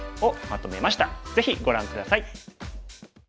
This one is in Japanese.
ぜひご覧下さい。